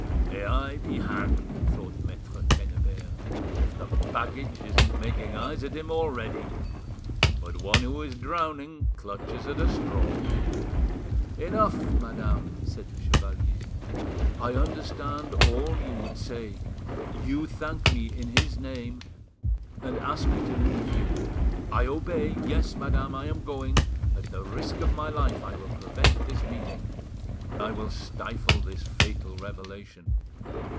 "May I be hanged!" thought Maitre Quennebert, "if the baggage isn't making eyes at him already! But one who is drowning clutches at a straw." "Enough, madam," said the chevalier; "I understand all you would say. You thank me in his name, and ask me to leave you: I obey yes, madame, I am going; at the risk of my life I will prevent this meeting, I will stifle this fatal revelation.